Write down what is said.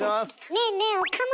ねえねえ岡村！